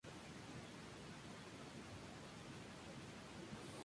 Obtuvo plenos poderes por seis meses y el mandato de preparar una nueva constitución.